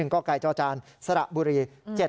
๑กจสระบุรี๗๐๙๗๐๙ออ